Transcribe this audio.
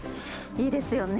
いいですよね。